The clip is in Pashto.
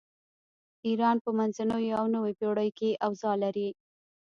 ایران په منځنیو او نویو پیړیو کې اوضاع لري.